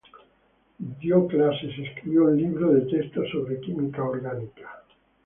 Dio clases y escribió un libro de texto sobre química orgánica.